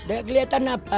nggak kelihatan apa